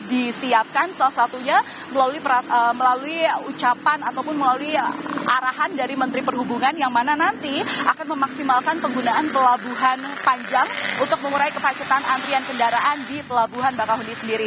disiapkan salah satunya melalui ucapan ataupun melalui arahan dari menteri perhubungan yang mana nanti akan memaksimalkan penggunaan pelabuhan panjang untuk mengurai kemacetan antrian kendaraan di pelabuhan bakahuni sendiri